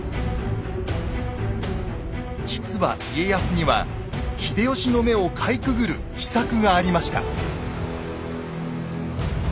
実は家康には秀吉の目をかいくぐる秘策がありました。